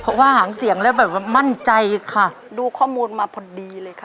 เพราะว่าหางเสียงแล้วแบบว่ามั่นใจค่ะดูข้อมูลมาพอดีเลยค่ะ